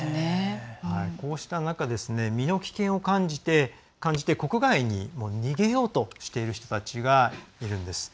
こうした中身の危険を感じて国外に逃げようとしている人たちがいるんです。